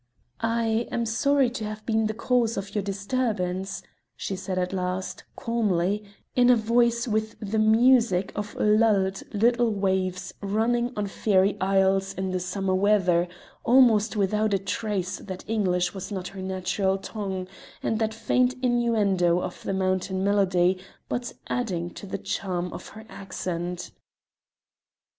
"I am sorry to have been the cause of your disturbance," she said at last, calmly, in a voice with the music of lulled little waves running on fairy isles in summer weather, almost without a trace that English was not her natural tongue, and that faint innuendo of the mountain melody but adding to the charm of her accent.